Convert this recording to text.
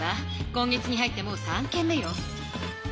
今月に入ってもう３件目よ。